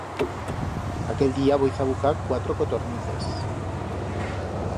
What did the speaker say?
Aquel diya voi zabucar cuatro cotornices.